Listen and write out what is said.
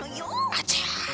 あちゃ。